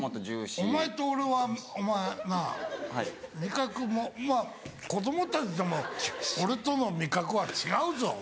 お前と俺はお前なぁ味覚子供たちでも俺との味覚は違うぞお前。